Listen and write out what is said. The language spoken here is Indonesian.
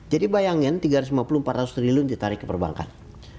jadi bayangin tiga ratus lima puluh empat ratus triliun ditarik ke perbankan